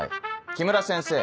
木村先生